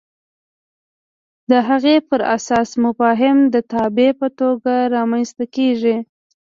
د هغې پر اساس مفاهیم د تابع په توګه رامنځته کېږي.